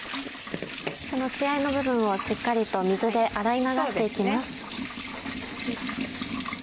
この血合いの部分をしっかりと水で洗い流して行きます。